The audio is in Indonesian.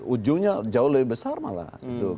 ujungnya jauh lebih besar malah